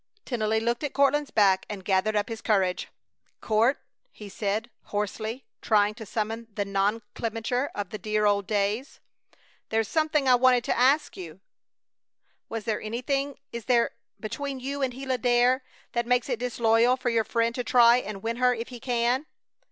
Tennelly looked at Courtland's back and gathered up his courage: "Court," he said, hoarsely, trying to summon the nomenclature of the dear old days; "there's something I wanted to ask you. Was there anything is there between you and Gila Dare that makes it disloyal for your friend to try and win her if he can?"